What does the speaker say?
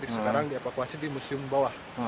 sekarang di evakuasi di museum bawah